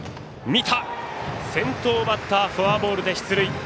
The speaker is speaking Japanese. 見た、先頭バッターフォアボールで出塁。